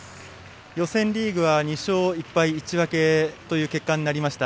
予選リーグは２勝１敗１分という結果になりました。